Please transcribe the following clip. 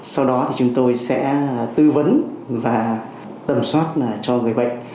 sau đó thì chúng tôi sẽ tư vấn và tầm soát cho người bệnh